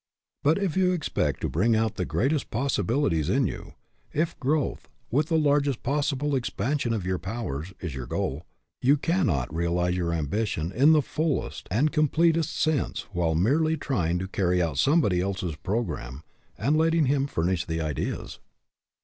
But, if you expect to bring out the greatest possibilities in you, if growth, with the largest possible expansion of your powers, is your goal, you cannot realize your ambition in the fullest and com pletest sense while merely trying to carry out somebody else's programme and letting him furnish the ideas.